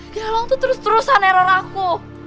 galang tuh terus terusan error aku